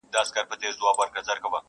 خو زړې نښې پاتې وي تل,